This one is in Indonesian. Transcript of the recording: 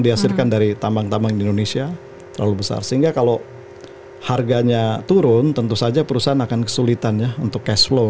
diasirkan dari tambang tambang di indonesia terlalu besar sehingga kalau harganya turun tentu saja perusahaan akan kesulitan ya untuk cash flow